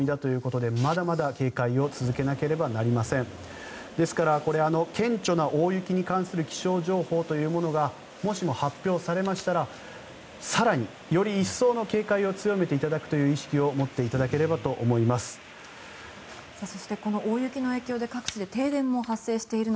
ですから、顕著な大雪に関する情報というものがもしも発表されましたら更に、より一層の警戒を強めていただくという意識を持っていただければと思います。